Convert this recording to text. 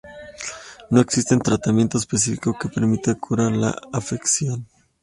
No existe tratamiento específico que permita curar la afección.